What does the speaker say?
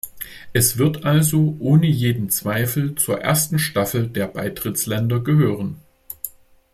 Es wird also ohne jeden Zweifel zur ersten Staffel der Beitrittsländer gehören.